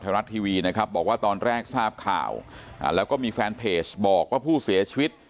รัฐทีวีนะครับบอกว่าตอนแรกทราบข่าวแล้วก็มีแฟนเพจบอกว่าผู้เสียชีวิต